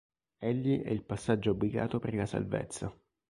Egli è il passaggio obbligato per la salvezza.